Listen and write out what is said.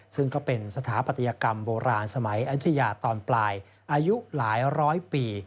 ซึ่งก็เป็นสถาปัตยกรรมโบราณสมัยอายุทยาตอนปลายอายุหลายร้อยปี